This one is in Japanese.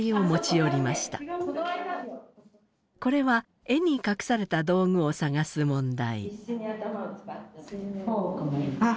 これは絵に隠された道具を探す問題。